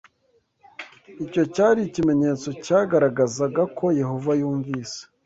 Icyo cyari ikimenyetso cyagaragazaga ko Yehova yumvise